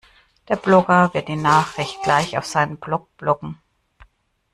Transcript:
Der Blogger wird die Nachricht gleich auf seinem Blog bloggen.